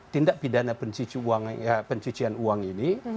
tindak pidana pencucian uang ini